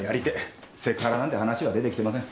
セクハラなんて話は出てきてません。